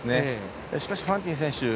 しかし、ファンティン選手